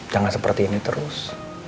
jangan seperti ini terus